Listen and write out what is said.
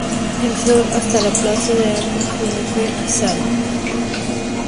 El Sol hasta la Plaza de Armas, donde fue izada.